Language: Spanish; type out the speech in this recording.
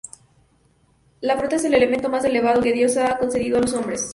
La fruta es el elemento más elevado que Dios ha concedido a los hombres.